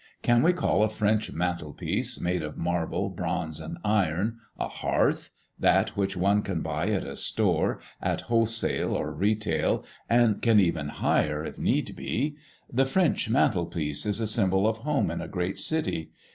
Can we call a French mantel piece, made of marble, bronze, and iron, a hearth, that which one can buy at a store, at wholesale or retail, and can even hire, if need be? The French mantel piece is the symbol of home in a great city.